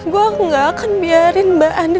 gue gak akan biarin mbak andi